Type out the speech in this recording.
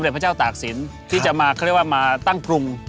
พระเจ้าตากศิลป์ที่จะมาเขาเรียกว่ามาตั้งกรุง